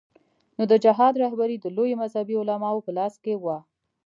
نو د جهاد رهبري د لویو مذهبي علماوو په لاس کې وه.